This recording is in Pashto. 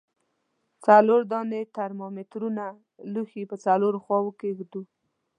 څلور دانې ترمامترونه لوښي په څلورو خواو کې ږدو.